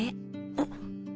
あっ。